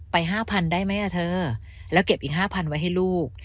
๕๐๐ได้ไหมอ่ะเธอแล้วเก็บอีก๕๐๐ไว้ให้ลูก